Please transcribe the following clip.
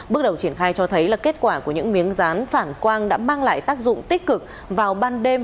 bước đầu triển khai cho thấy là kết quả của những miếng rán phản quang đã mang lại tác dụng tích cực vào ban đêm